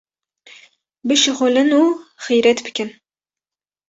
bişuxulin û xîretbikin.